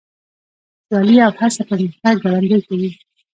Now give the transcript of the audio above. سیالي او هڅه پرمختګ ګړندی کوي.